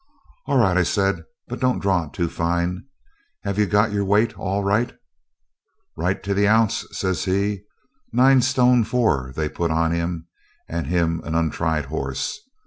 'All right,' I said, 'but don't draw it too fine. Have you got your weight all right?' 'Right to a hounce,' says he, 'nine stun four they've put on him, and him an untried horse.